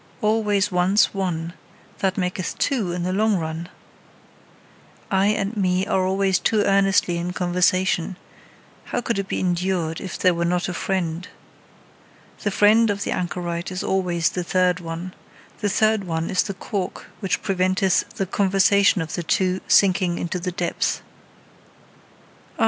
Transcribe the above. "Always once one that maketh two in the long run!" I and me are always too earnestly in conversation: how could it be endured, if there were not a friend? The friend of the anchorite is always the third one: the third one is the cork which preventeth the conversation of the two sinking into the depth. Ah!